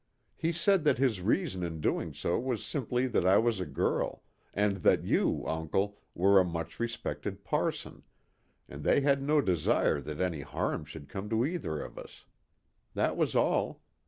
He said that his reason in doing so was simply that I was a girl, and that you, uncle, were a much respected parson, and they had no desire that any harm should come to either of us. That was all.